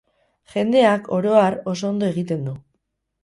Jendeak, oro har, oso ondo egiten du.